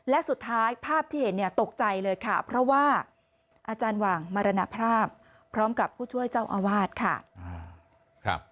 และสุดท้ายภาพที่เห็นเนี่ยตกใจเลยค่ะเพราะว่าอาจารย์หว่างมรณภาพพร้อมกับผู้ช่วยเจ้าอาวาสค่ะ